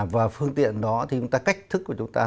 và phương tiện đó thì chúng ta cách thức của chúng ta